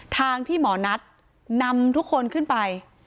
ทางที่หมอนัทนำทุกคนขึ้นไป